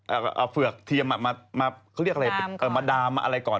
เอาเฝือกเทียมมาเขาเรียกอะไรมาดามอะไรก่อน